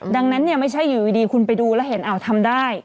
ดังนั้นเนี่ยไม่ใช่อยู่ดีคุณไปดูแล้วเห็นทำได้